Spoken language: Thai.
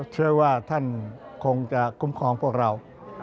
เชื่อว่าท่านคงจะคุ้มครองพวกเรา